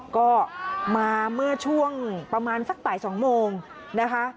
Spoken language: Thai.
ก็มาเมื่อช่วงประมาณสักบ่าย๒โมงนะคะ